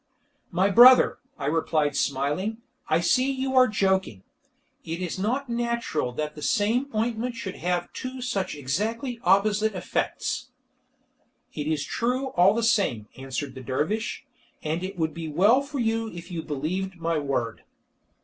"My brother," I replied smiling, "I see you are joking. It is not natural that the same ointment should have two such exactly opposite effects." "It is true all the same," answered the dervish, "and it would be well for you if you believed my word."